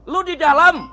lu di dalam